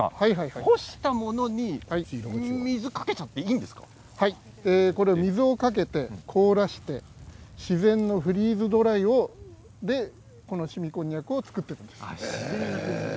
干したものに水をかけて凍らせて自然のフリーズドライでしみこんにゃくを作っているんです。